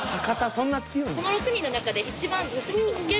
そんな強いんや］